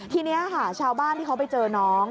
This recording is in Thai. ทีนี้ค่ะชาวบ้านที่เขาไปเจอน้อง